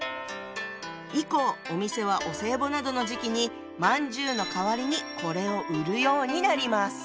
以降お店はお歳暮などの時期にまんじゅうの代わりにこれを売るようになります。